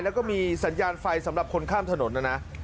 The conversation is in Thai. แล้วก็มีสัญญาณไฟสำหรับคนข้ามถนนนะนะ